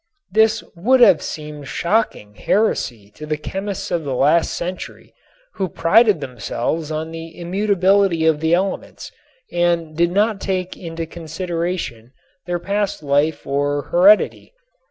This would have seemed shocking heresy to the chemists of the last century, who prided themselves on the immutability of the elements and did not take into consideration their past life or heredity.